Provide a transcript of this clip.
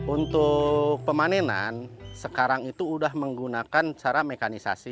untuk pemanenan sekarang itu sudah menggunakan cara mekanisasi